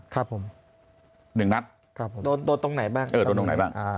ครับผมหนึ่งนัดครับผมโดนโดนตรงไหนบ้างเออโดนตรงไหนบ้างอ่า